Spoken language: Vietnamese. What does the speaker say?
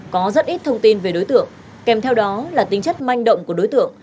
có rất ít thông tin về đối tượng kèm theo đó là tính chất manh động của đối tượng